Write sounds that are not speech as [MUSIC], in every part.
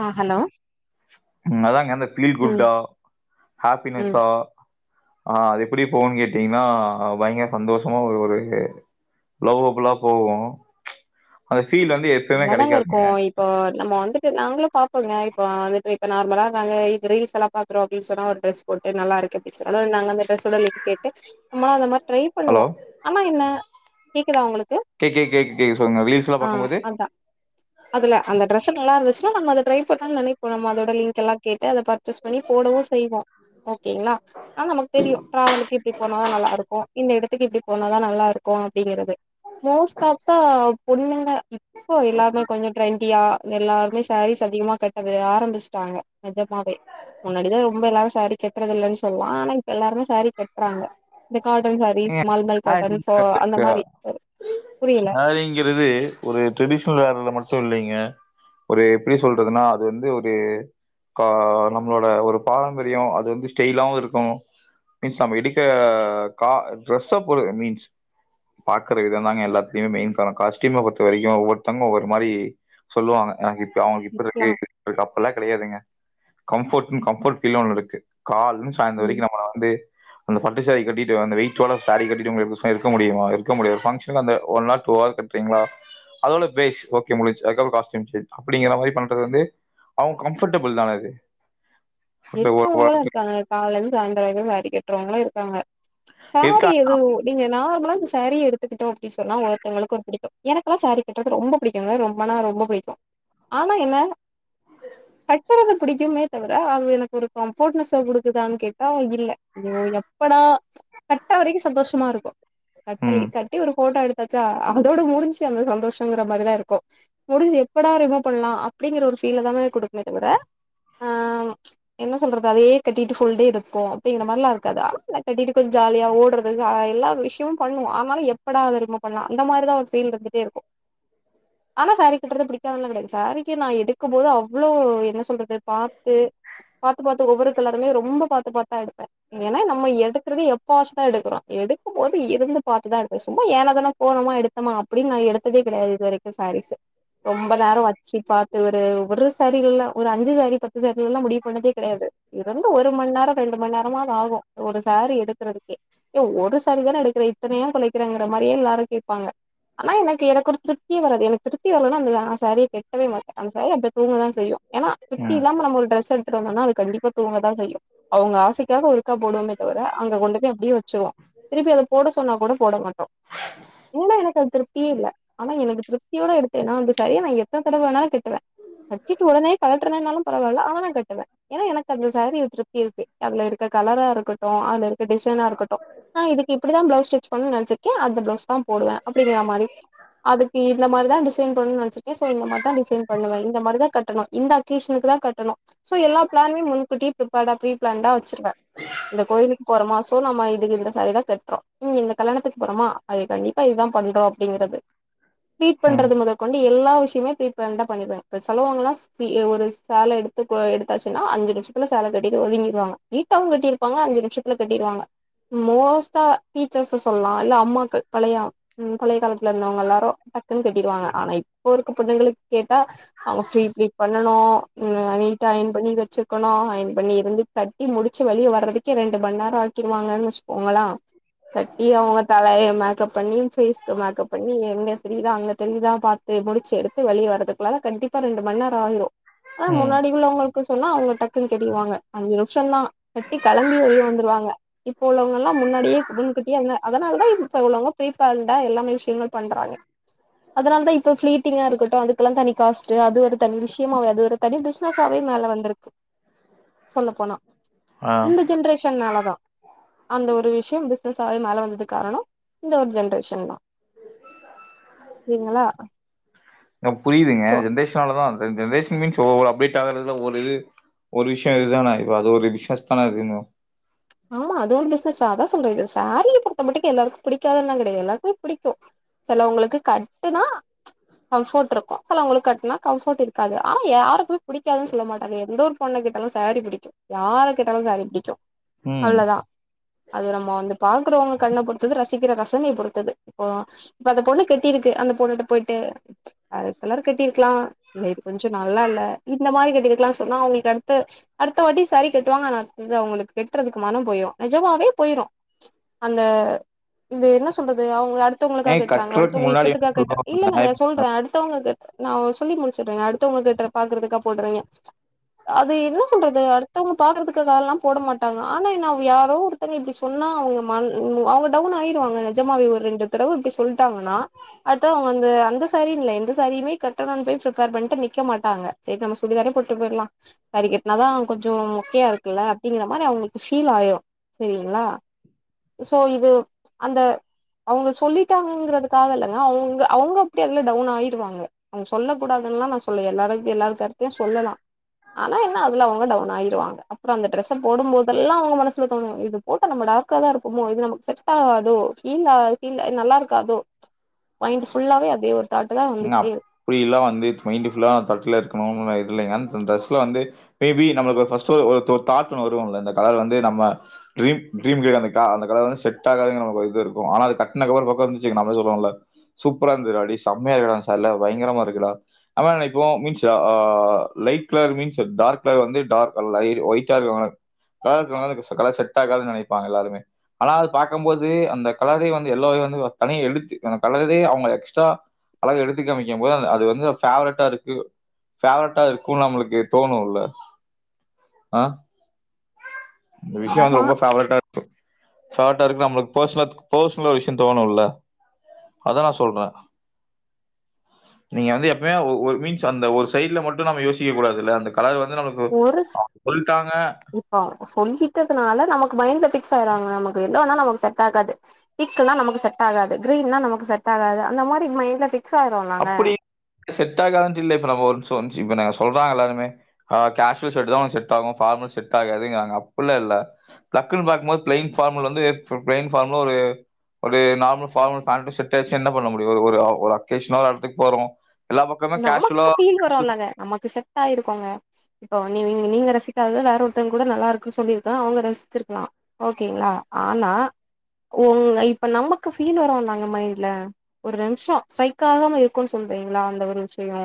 ஆ hello ம் அதாங்க இந்த ஃபீல் ம் குட்டா ம் ஹேப்பினஸ்ஸா ஆ அது எப்புடி போவுன் கேட்டீங்னா அ பயங்கிர சந்தோஷமா ஒரு ஒரு லவ்வபுலா போவு அதை லதாங்கருக்கு இப்போ நம்மு வந்து நாங்ளு பாப்போங்க இப்ப வந்துட்டு இப்ப நார்மலா ஈக்கு ரீல்ஸ் எல்லா பாக்குறோ அப்டின் சொன்னா ஒரு ட்ரெஸ் போட்டு நல்லாருக்கு பிச்சராலோ நாங் அந்த ட்ரெஸ்ஸோட லங்க் கேட்டு நம்மளா அந்த மார் ட்ரை பண்ணுவோ ஹலோ? ஆனா என்ன கேக்குதா ஒங்களுக் கே கே கேக்து கேக்து சொல்லுங்க வீடியோஸ்லா பாக்குமோது க அதுல அந்த ட்ரெஸு நல்லாருந்துச்சுனா நம்ம அத ட்ரை பண்லான்னு நெனைப்போ நம்ம அதோட லிங்க் எல்லா கேட்டு அத பர்ச்சேஸ் பண்ணி போடவு செய்வோ ஓகேங்ளா, ஆனா நமக்கு தெரியு ட்ராவல்க்கு இப்டி போனாதா நல்லாருக்கு, இந்த எடத்துக்கு இப்டி போனாதா நல்லாருக்கு அப்டிங்கறது மோஸ்ட்டாஃப்சா பொண்ணுங்க இப் இப்போ எல்லாருமே கொஞ்சோ ட்ரெண்டியா எல்லாருமே சேரீஸ் அதிகமா கட்டது ஆரம்பிச்டாங்க நெஜமாவே முன்னாடிதா ரொம்ப எல்லாரு சாரி கெட்றதுல்லனு சொல்வோ ஆனா இப்ப எல்லாருமே சாரி கட்றாங்க இந்த காட்டன் சாரீஸ் மல்மல் ஆ காட்டன் நீங்க சோ அந்த கட்டுங்க, மாரி புரியல சாரிங்கிறது ஒரு ட்ரெடிஷ் னல் வெர்ல மட்டு இல்லைங்க ஒரு எப்டி சொல்றதுனா அது வந்து ஒரு க நம்ளோட ஒரு பாரம்பரியோ அது வந்து ஸ்டைல்லாவு இருக்கு மீன்ஸ் நம்ம எடுக்க கா ட்ரெஸ் சா போடுங்க மீன்ஸ் பாக்குற விதந்தாங்க எல்லாத்துலியுமே மெயின் காரணம் காஸ்டியூம பொறுத்த வரைக்கு ஒவ்வொருத்தவங்க ஒவ்வொரு மாரி சொல்வாங்க எனக்கு இப் அவுங்களுக்கு இப்டிருக்கு இது அது அப்டில்லா கடையாதுங்க கம்ஃபோட்னு கம்ஃபோட் ஃபீல்னு ஒன்னு இருக்கு கால்லந்து சாயந்தர ம் வரைக்கு நம்மள வந்து அந்த ப ட்டு சாரி கட்டிட்டு அந்த வெயிட்டோட சாரி கட்டிட்டு உங்கள இருக்க சொன்னா இருக்க முடியுமா இருக்க முடியாது ஃபங்ஷன்க்கு அந்த ஒன் ஆர் டூ ஆர் கட்றிங்லா அதோட பேஸ் ஓகே முடிஞ்சு அதுக்கப்றோ காஸ்டியும் சேஞ் தா அப்படிங்கிற மாரி பண்றது வந்து அவுங்க கம்ஃபர்டபுள் தான இது இருக்கவாங்கலா இருக்காங்க கால்லேந்து சாயந்தர வரைக்கு சாரி கட்றவங்களு இருக்காங்க சாரீ இருக்காங்க எது நஇங்க நார்மலா இந்த சேரீ எடுத்துக்குட்டோ அப்டி சொன்னா ஓஒர்த்தவங்களுக்கு ஒன்னு புடிக்கு எனக்குலா சாரி கட்றது ரொம்ப புடிக்குங்க ரொம்பனா ரொம்ப புடிக்கு ஆனா என்ன கட்டுறது புடிக்குமே தவிர அது எனக் கு ஒரு கம்ஃபோட்னஸ்ஸ குடுக்குதானு கேட்டா இல்ல, ஐயோ எப்படா கட்ற வரைக்கு சந்தோஷமா இருக்கு கத்தல் ம் கட்டி ஒரு போட்டோ எடுத் கன்சா அதோட முடிஞ்சு அந்த சந்தோஷங்குற மாரிதா இருக்கு முடிஞ்சு எப்படா ரிமு பண்லா அப்டிங்கிற ஒரு ஃபீல தான குடுக்கமே தவிர அ என்ன சொல்றது அத்யே கட்டிட்டு ஃபுல்டே இருப்போ அப்டிங்கிற மார்லா இருக்காதா நா கட்டிட்டு பேய் ஜால்யா ஓட்றது ஹ எல்லா விஷ்யமு பண்ணுவ் ஆனாலும் எப்படா அத ரிமு பண்லா அந்த மாரிதா ஒரு ஃபீல் இருந்துட்டேருக்கு ஆனா சாரீ கட்டுறது பிடிக்காதுன்ல்லா கடையாத் சாரீக்கு நா எடுக்கும்போது அவ்ளோ என்ன சொல்றது பாத்து பாத்து ஒவ்வொரு கலருமே ரொம்ப பாத்து பாத்துதா எடுப்பே ஏன்னா நம்ம எடுக்குறது எப்பவாச்சு தா எடுக்கிறோ எடுக்கும்போது இருந்து பாத்து தா எடுப்பே சும்மா ஏனோதானோ போனோ மா எடுத்தமா அப்புடின் நா எடுத்ததே கிடையாது இதுவரைக்கு சாரீஸ் ரொம்ப நேரு வச்சி பாத்து ஒரு ஒரு சாரில்லா ஒரு அஞ்சுசாரி பத்துசாரில்லா புண்ணதே கடையாது இருந்து ஒரு மண்நேர ரெண்டு மண்நேரமாகும் ஒரு சாரி எடுக்கறதுக்கே ஏ ஒரு சாரி தானே எடுக்குற துன்னு ஏ கொலைக்கிங்குற மாரியே எல்லாரு கேப்பாங்க ஆனா எனக்கு எனக்கு ஒரு திருப்தியே வராது எனக்கு திருப்தி வர்லனா அந்த யா சாரி கெட்டவே மாட்ட அந் சாரி அப்டே தூங்கதா செய்யு ஏனா ப்ருட்டி ம் சஇல்லாம நம்ம ஒரு டிரஸ் எடு ஆனா அது கண்டிப்பா தூங்காதா செய்யு அவங்க ஆசைக்காக ஒருக்கா போடுவமே தவிர அங்க கொண்டுபே அப்டியே வச்சிருவோ திருப்பி அத போட சொன்னா கூட போட மாட்டோ ஏன்னா எனக்கு அது திருப்தியே இல்ல ஆனா எனக்கு திருப்தியோட எடுத்தேனா அந்த சாரிய நா எத்ன தடவ வேணாலு கட்டுவே கட்டிட்டு ஒடனே கழற்றனனாலு பரவால்ல ஆன கட் ஏன்னா எனக்கு அந்த சாரி ஒரு திருப்தி இருக்கு அதுல இருக்க கலரா இருக்கட்டும் அலு டிசைனா இருக்கட்டும் ஆனா இதுக்கு இப்படிதான் பிளவுஸ் ஸ்டிச் பண்ணு நெனச்சிருக்க அந்த பிளவுஸ் தான் போடுவே அப்படிங்கற மாதிரி அதுக்கு இந்த மாதிரி தான் டிசைன் பண்ணும்னு நெனைச் சோ இந்த மாதிரிதான் டிசைன் பண்ணுவே இந்த மாதிரிதான் கட்டணும் இந்த அகேஷனுக்கு தான் கட்டணும் சோ எல்லா பிளானுமே முன்கூட்டி ப்ரிப்பர்டா ப்ரீ பிளான்டா வெச்சுருவே இந்த கோயிலுக்கு போறோமா சோ நம்ம இதுக்கு இந்த சாரி தான் கட்டுறோம் இந்த கல்யாணத்துக்கு போறோமா அது கண்டிப்பா இதுதான் பண்றோம் அப்படிங்கறது பீட் ம் பண்றது முதற்கொண்டு எல்லா விஷயமுமே ஃப்ரீ பிளானுடா பண்ணிடுவ இப்ப செலவுகல்லாம் ஒரு சேலட் இப்போ எடுத்தாச்சுன்னா அஞ்சு நிமிஷத்துல சேல கட்டிடுவாங்க [UNINTELLIGIBLE] நீட்டாவும் கட்டியிருப்பாங்க அஞ்சு நிமிஷத்துல கட்டிடுவாங்க மோஸ்ட்டா டீச்சர்ஸ்ச சொல்லலாம் இல்ல அம்மாக்கள் பழைய பழைய காலத்துல இருந்தவங்க எல்லாரும் டன்னு கட்டிவாங்க ஆனா இப்போ புள்ளைங்களுக்கு கேட்டா அவங்க ப்ரீ பீட் பண்ணனும் உம் ஐ அயன் பண்ணி வெச்சிருக்கணும் அயன்பண்ணிருந்து தட்டி முடிச்சு வெளியவர்றதுக்கே ரெண்டுமண்நேரம் ஆகிறுவாங்கன்னு வெச்சுோங்கள தட்டி அவங்க தலைய மேக்கப் பண்ணி ஃபேசுக்கு மேக்கப் பண்ணி இங்க தெரியுதா அங்க தெரியுதா பாத் முடிச்சு எடுத்து வெளிய வரதுக்குள்ள கண்டிப்பா ரெண்டு மண்நேரம் ஆயிரும் ஆனா ம் முன்னாடி சொன்னா அவங்க டக்குன்ன தெரிவாங்க அஞ்சு நிமிஷதான் கட்டி கிளம்பி வெளிய வந்துருவாங்க இப்ப உள்ளவங்கல்லா முன்னாடியே முன்கூட்டியே அதனால தான் இப்போ உள்ளவங்க ஃப்ரீ பிளானோட எல்லாமே விஷயங்களும் பண்றாங்க அதனாலதான் இப்ப ப்ளீடிங்க இருக்கட்டும் அதுக்கெல்லாம் தனி காசுட்டு அது ஒரு தனி விஷய அது ஒரு தனி பிஸ் சாவே மேல வந்துருக்கு சொல்ல போனா ஆ இந்த ஜென்ரேஷன்னால தா அந்த ஒரு விஷயம் பிசினஸாவே மேல வந்தது காரண இந்த ஒரு ஜென்ரேஷன் தா சரிங்களா புரியுதுங்க சோ ஜென்ரேஷனாலதா ஜென்ரேஷன் மீன்ஸ் ஒவ்வொரு அப்டேட் ஆகறதுல ஒரு இது ஒரு விஷய இதுதான இ அது ஒரு விஸ்னஸ் தான அதுன்னு ஆமா அதுவும் ஒரு பிசினஸ்தா அதா சொல்றது சாரீய பொடுத்த மட்டுக்கு எல்லாருக்கு பிடிக்காதுன்லா கெடையாது எல்லாருக்குமே பிடிக்கு சிலவங்களுக்கு கட்டுனா கம்ஃபோர்ட் இருக்கு சிலவங்களுக்கு கட்டுனா கம்ஃபர்ட் இருக்காது ஆனா யாருக்குமே பிடிக்காதுன்னு சொல்ல மாட்டாங்க எந்த ஒரு பொண்ண கேட்டாலு சாரீ புடிக்கும் யார கேட்டாலு சாரீ புடிக்கு ம். அவ்ளதா அது நம்ம வந்து பாக்குறவங்க கண்ண பொறுத்தது ரசிக்கிற ரசனைய பொறுத்தது இப்போ இப்ப அந்த பொண்ணு கட்டிருக்கு அந்த பொண்ணுட்ட போயிட்டு ப்ச் வேற கலர் கட்டிருக்கலா இல்ல இது கொஞ்ச நல்லா இல்ல இந்த மாரி கட்டிருக்கலான்னு சொன்னா அவுங்களுக்கு அடுத்த அடுத்த வாட்டி சாரி கட்டுவாங்க ஆனா அது அவுங்குளுக்கு கற்றதுக்கு மனம் போயிரு நெஜமாவே போயிரு ப்ச் அந்த இது என்ன சொல்றது அவங்க அடுத் தவுங்களுக்காக ஏன் கட்றாங்க கட்றதுக்கு அடுத்தவங்க இஷ்டத்துக்காக கட் இல்ல முன்னாடி இல்லங்க சொல்ற அடுத்தவங்க நா சொல்லி முடிச்சிடுறே அடுத்தவங்க கட்ற பாக்கறதுக்கா போடறீங்க அது என்ன சொல்றது அடுத்தவங்க பாக்குறதுக்காகல்லா போடமா ட்டாங்க ஆனா என்ன அவங்க யாரோ ஒருத்தங்க இப்பிடி சொன்னா அவுங்க ம அவுங்க டவுன் ஆயிருவாங்க நஜமாவ ஒரு ரெண்டு தடவ இப்டி சொல்ட்டாங்கன்னா அடுத்தது அவங்கந்த அந்த சாரின்ல எந்த சாரீமே கட்டணுனு போய் பிரிபேர் பண்ணிட்டு நிக்க மாட்டாங்க சரி நம்ம சுடிதாரே போட்டு போயிடலா சாரி கட்டுனா தா கொஞ்ச மொக்கையா இருக்குல அப்படிங்ற மாரி அவங்களுக்கு ஃபீல் ஆயிரு சரிங்களா சோ இது அந்த அவங்க சொல்லிட்டாங்கங்கறதுக்காக இல்லங்க அவுங்க அவுங்க அப்படி அதுல டவுன் ஆயிடுவாங்க அவங்க சொல்லக்கூடாதுன்லா நா சொல்லல எல்லாரு எல்லா கருத்தையு சொல்லலா ஆனா என்ன அதுல அவுங்க டவுன் ஆயிடுவாங்க அப்புற அந்த ட்ரஸ் போடும் போதெல்லா அவுங்க மனசுலதோணு இது போட்டு நம்ம டார்க்காதா இருப்பமோ இது நமக்கு செ ட்டாகாதோ இல்லா ஃபீல் நல்லா இருக்காதோ மைண்ட் ஃபுல்லாவே அதே ஒரு தாட்டு தா வந்துகிட்டே இருக்கு அப்பிடி எல்லா வந்து மைண்ட் ஃபுல்லா தட்ல இருக்கணு இல்லைங்க அந்த டிரஸ்ல வந்து மேபி நம்ம ஃபர்ஸ்ட் ஒ ஒரு தாட் ஒன்னு வருள்ள இந்த கலர் வந்து நம்ம க்ரீம் கிரீம் கிரே அ அந்த கலர் வந்து செட்டாகாது நமக்கு ஒரு இது இருக்கு ஆனா அது கட்னக்கப்பற பாத்தோன் வெச்சுக்கோங்க நாமலே சொல்லுவோல்ல சூப்பரா இருந்துதுடா அப்டியே செம மயா இருக்குடா இந்த சாரில பயங்கரமா இருக்கடா நாம என்ன நெனைப்போ மீன்ஸ் அ light colour means dark colour வந்து டார்க் லைட் ஒய்ட் ஆ இருக்க கால்ல இருக்கதனால கலர் ஸர்ட் செட்டாகாதுனு நினைப்பாங்க எல்லாருமே ஆனா அது பாக்கம்போது அந்த கலரே வந்து எல்லோ வே வந்து தனியா எடுத்து அந்த கலரே அவங்க எக்ஸ்ட்ரா அழக எடுத்து காமிக்கும் போது அது வந்து ஃபேவரட்டா இருக்கு ஃபேவரட்டா இருக்கும்னு நம்ளுக்கு தோணும்ல்ல ஆ இந்த விஷயம் வந்து ஆமா ரொம்ப ஃபேவரட்டா இருக்கும் ஷார்டா இருக்கு நமக்கு பெர்சனல் பெர்சனல் லா ஒரு விஷயம் தோணும்ல்ல அதா நா சொல்ற நீங்க வந்து எப்பமே ஒரு மீன்ஸ் அந்த ஒரு சைட்ல மட்டும் நாம யோசிக்க கூடாதுல்ல அந்த கலர் வந்து நமக்கு ஒரு சி சொல்ட்டாங்க. இப்ப அவங் சொல்லிட்டதுனால நமக்கு மைண்ட் அதே சவுராங்க நமக்கு எல்லோனா நமக்கு சட் ஆகாது பீக்குனா நமக்கு சட் ஆகாது க்ரீம்னா நமக்கு செட் ஆகாது மாரி மைன்ட்ல ஃபி அப்புடி செட் ஆகாது சொல்ல இப்ப நம்ப ஒருன்சோன் இப்ப நாங்க சொல்றாங்க எல்லாருமே அ கேஷுவல் ஷேட்டுதா ஒன்க் செட் ஆகு ஃபார்மல் செட் ஆகாதிங்காங்க அப்புல்லா இல்ல டக்குனு பாக்கும்போது ப்ளைன்ஃபார்மல் வந்து ப்ளைன் ஃபார்மல் ஒரு ஒரு நார்மல் ஃபார்மல் பேன்ட்டு ஷேட்டே வச்சு என்ன பண்ண முடியும் ஒரு ஒரு அ ஒரா கேஷ்னா ஒர் எடத்துக்க போறோ நமக்கு ஃபீல் வருமில்லங்க நமக்கு செட் ஆயிருக்கோங்க நீங்க ரசிக்காதத வேற ஒருத்தங்க கூட நல்லா இருக்கு சொல்லி அவங்க ரசிச்சிருக்கலாம் ஓகேங்களா ஆனா உங்க இப்ப நமக்கு ஃபீல் வர நாங்க மைண்ட்ல ஒரு நிமிஷம் ஸ்டிரைக்காகம இருக்கும் சொல்றீங்களா அந்த நச்சரிங்க [UNINTELLIGIBLE]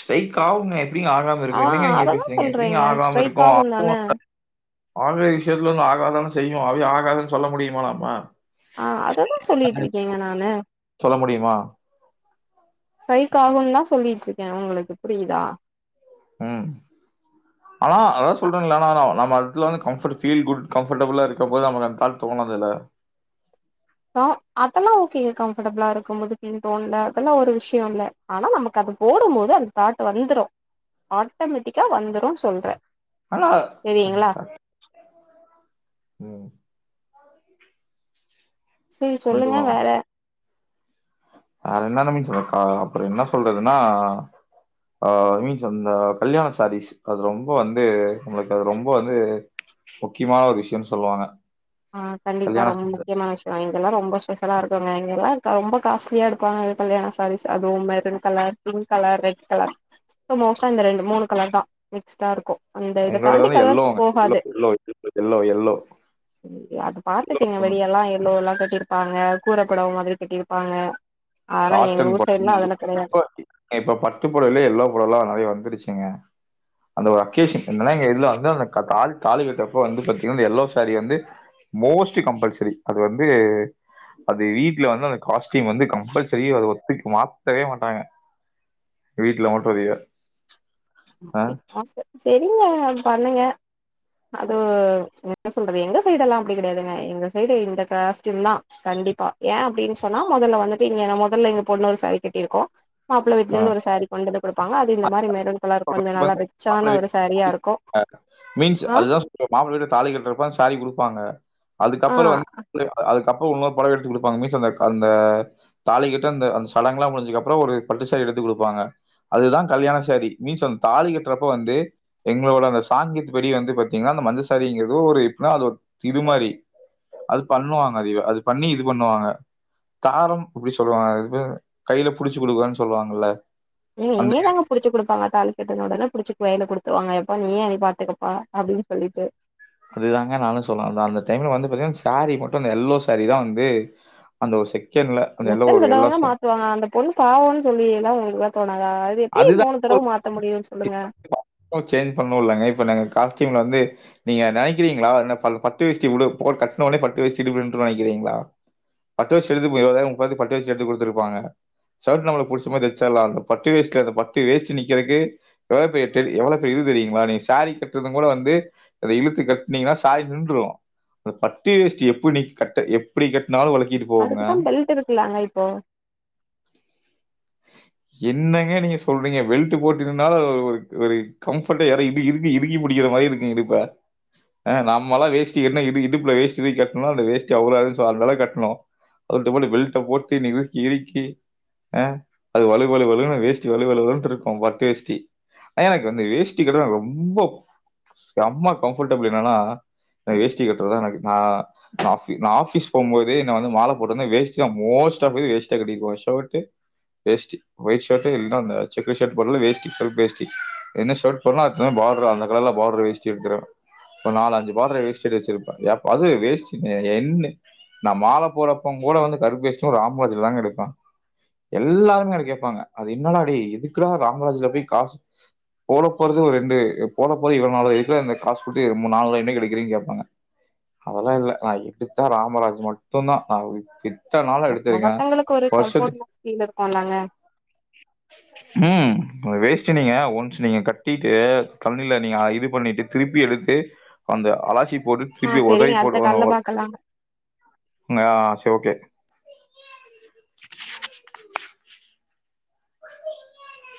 ஸ்டிரைக் ஆகுங்க எப்படி ஆகாம இருக்கும் என்னங்க நீங்க இப்படி அததா பேசுறீங்க எப்படிங்க சொல்றேங்க ஆகாம ஸ்ட்ரைக் இருக்கும் ஆகும் தான ஆக விஷயத்துலந்து ஆகாத செய்யும் அது ஆகாதுன்னு சொல்ல முடியுமா நம்ம ஆ அததான் சொல்லிட்டு இருக்கேங்க நானு சொல்ல முடியுமா? ஸ்டிரைக்காகும்ன்னு தான் சொல்லிட்டு இருக்கேன் உங்களுக்கு புரியுதா ம் ஆனா அதான் சொல்றேன்னல்ல நம்ம அதுல வந்து கம்பர்ட் ஃபீல் குட் கம்ஃபர்டபிளா இருக்கும் போது நமக்கு அந்த தாட் தோணுனதில்ல அதெல்லாம் ஓகேங்க கம்ஃபர்டபிளா இருக்கும் போது ஃபீல் தோணல அதெல்லாம் ஒரு விஷயம் இல்ல ஆனா நமக்கு அது போடும் போது அந்த தாட்டு் வந்துரும் ஆட்டோமேட்டிக்கா வந்துரும்ன்னு சொல்றேன் ஹலோ ம் சரி சொல்லுங்க வந்துரும். வேற வேற என்னென்ன மீன்ஸ் அ சொல்றது அப்புறம் என்ன சொல்றதுன்னா அ மீன்ஸ் அந்த கல்யாண சாரீஸ் அது ரொம்ப வந்து நம்மளுக்கு அது ரொம்ப வந்து முக்கியமான ஒரு விஷயம்ன்னு சொல்லுவாங்க ஆ கண்டிப்பா கல்யாண ரொம்ப முக்கியமான விஷயம் வைங் இதெல்லாம் ரொம்ப ஸ்பெஷலா இருக்குங்க எங்க எல்லாம் ரொம்ப காஸ்ட்லியா எடுப்பாங்க கல்யாண சாரீஸ் அதுவும் maroon colour pink colour red colour மோஸ்ட்டா இந்த ரெண்டு மூணு கலர் தான் மிக்ஸ்டா இருக்கும் எங்களோடது வந்து yellow yellow yellow yellow yellow yellow அது பாத்துட்டீங்க ம். வெளியே எல்லாம் எல்லோ கட்டிருப்பாங்க கூரை பொடவ மாதிரி கட்டிருப்பாங்க அதெல்லா எங்க காட்டன் ஊர் சைட்லா அதெல்லா கெடையாது [INAUDIBLE] இப்ப பட்டுப்பொடயிலயே எல்லா பொடவ்லா நெறையா வந்துருச்சுங்க அந்த ஒரு அகேஷன் என்னனா எங்க இதுல வந்து அந்த தா தாலி கட்றப்ப வந்து பாத்திங்னா அந்த எல்லோ சாரி வந்து மோஸ்ட்லி கம்பல்சரி அது வந்து அது வீட்ல வந்து அந்த காஸ்ட்யூம் வந்து கம்பல்ச ரி அத ஒத்துக் மாத்தவே மாட்டாங்க எங் வீட்ல மட்டு அதய [INAUDIBLE] ஆச செரிங்க பண்ணுங்க அது என்ன சொல்றது எங்க சைடு எல்லா அப்படி கெடையாதுங்க எங்க சைடு இந்த காஸ்டயூம்தா கண்டிப்பா ஏ அப்டின் சொன்னா மொதல்ல வந்துட்டு இங்க மொதல்ல எங்க பொண்ணு ஒரு சாரி கட்டிருக்கு மாப்ள வீட்லருந்து ஒரு சாரி கொண்ட் வந்து குடுப்பாங்க அது இந்த மாரி மெருன் கலர் [INAUDIBLE] கொஞ்ச நல்லா ரிச்சான ஒரு சாரியா இருக்கு மீன்ஸ் ஆ அதுதா சொல்ற மாப்ள வீடு தாலி கட்றப்ப அந்த சாரி குடுப்பாங்க ஆ அதுக்கப்பற வந்து அது அப்ப இன்னொரு பொடவ எடுத்து குடுப்பாங்க மீன்ஸ் அந்த அந்த தாலி கட்ற அந்த அந்த சடங்களா முடிஞ்சதுக்கப்ற ஒரு பட்டு சாரி எடுத்து குடுப்பாங்க அதுதா கல்யாண சாரி மீன்ஸ் தாலி கட்றப்ப வந்து எங்களோட அந்த சாங்கியத்து படி வந்து பாத்திங்னா அந்த மஞ்ச சாரிங்றது ஒரு எப்ன்னா அது ஒரு இதுமாரி அது பண்ணுவாங்க அது பண்ணி இது பண்ணுவாங்க தாரம் அப்டி சொல்லுவாங்க அதுக் பேரு கையல புடிச்சு குடுக்றன் சொல்லுவாங்கல்ல ஏங்க அந்த இங்கயு தாங்க புடிச்சு குடுப்பாங்க தாலி கட்டுன உடனே புடிச்சி கைல குடுத்துருவாங்க எப்பா நீயே எனைய பாத்துக்கப்பா அப்டின் சொல்லிட்டு அதுதாங்க நானும் சொல்ல வந்த அந்த டைம்ல வந்து பாத்தீங்கன்னா ஸ் சேரீ மட்டும் அந்த எல்லோ சேரீ தா வந்து அந்த ஒரு செக் எத்தன தடவங்க மாத்துவாங்க அந்த பொண்ணு பாவேன் சொல்லி எல்லா உங்களால் அதுதா முடியும்னு சொல்லுங்க [UNINTELLIGIBLE] சேஞ் பண்ணோலங்க இப்ப நாங்க காஸ்ட் டீம்ல வந்து நீங்க நெனைக்கிறீங்களா என்ன பல்ல பட்டு வேஷ்டி [UNINTELLIGIBLE] கட்டுன ஒட்னே பட்டு வேஷ்டி [UNINTELLIGIBLE] பட்டு வேஷ்ட் எடுத்துட் போயி இவளோ நேரம் உக்காந்து பட்டு வேஷ்டி எடுத்துட் குடுத்துருப்பாங்க சர்ட் நம்மளுக் புடிச்ச மாரி [UNINTELLIGIBLE] ட்டு வேஷ்டில அந்த பட்டு வேஷ்டி நிக்கிறக்கு எவ்வளவு பெரிய டெல் எவ்வளவு பெரிய இது தெரியுங்களா நீங்க சேரீ கட்டுறதுங் கூட வந்து இது இழுத்து கட்னிங்கனா சேரீ நின்றும் அந்த பட்டு வேஷ்டி எப்புனி கட்ட எப்புடி கட் அதுக்குத்தா பெல்ட் இருக்குலாங்க இப்போ என்னங்க நீங்க சொல்றீங்க பெல்ட் போட்டு நின்னாலும் அது ஒரு ஒரு கம்ஃபர்டே யார இப்பு இறுக்கி இறுக்கி புடிக்கிற மாரி இருக்கு இடுப்ப அ நாம்மல்லா வேஸ்டி கட்டுனா இடு இடுப்புல வேஷ்டி இறுக் கட்னா அந்த வேஸ்டி அவுலாது சோ அந்த அளவு கட்னோ [UNINTELLIGIBLE] பெல்ட போட்டு நிறுக்கி இறுக்கி அ அது வழு வழு வழு னு வேஷ்டி வழு வழு வழுன்ட்ருக்கும் பட்டு வேஷ்டி எனக்கு வந்து வேஷ்டி கட்றது ரொம்போப் செம்ம கம்ஃபர்டபுலு என்னனா அ வேஷ்டி கட்றதுதா எனக்கு நா நா ஆஃபி நா ஆஃபிஸ் போகும் போது நா வந்து மால போட்ருந்த வேஷ்டியு மோஸ்ட் ஆஃப் [UNINTELLIGIBLE] வேஷ்டி யா கட்டிட்டு போவே ஷர்ட்டு வேஷ்ட்டி ஒயிட் ஷர்ட்டு இல்னா அந்த செக்டு ஷர்ட் பதிலு வேஸ்டி ஃபுல் வேஷ்டி என்ன ஷர்ட் போட்றனோ அதுக்கு தகுந்த பாட்ரு அந்த கலர்ல பாட்ரு வேஷ்டி எடுத்துருவ ஒரு நாலு அஞ்சு பாட்ரு வேஷ்டி எடுத் வெச்சிருப்ப எப் அது வேஷ்டி னே என்ன நா மால போட போம் கூட வந்து கருப்பு வேஷ்டியு ராம்ராஜ் ல தாங்க எடுப்ப எல்லாருமே என்ட்ட கேப் ப்பாங்க அது என்னடா டே எதுக்குடா ராம்ராஜ்ல போய் காசு போட போறது ஒரு ரெண்டு போட போறது இவளோ நாலு தா எதுக்குடா இந்த காசு குடுத்து நால் என்னைக்கி எடுக்குறிங் கேப்பாங்க அதெல்லா இல்ல நான் எடுத்தா ராமராஜ் மட்டுந்தா [UNINTELLIGIBLE] அத் அ மத்தவங்களுக்கு ஒரு கம்போர்ட் [UNINTELLIGIBLE] இருக்குல்லங்க ம் ஒரு வேஷ்டி நீங்க ஒன்ஸ் நீங்க கட்டிட்டு தண்ணில நீங்க அ இது பண்ணிட்டு திருப்பி எடுத்து அந்த அலாசிப் போட்டுட் ஆ திருப்பி ஒதரி செரிங்க அடுத்த போட்ருவாங்க கால்ல ஒ பாக்கலா ம் ஆ சரி ஓகே